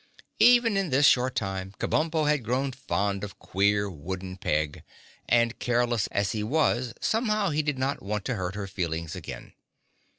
Even in this short time Kabumpo had grown fond of queer wooden Peg and careless as he was somehow he did not want to hurt her feelings again.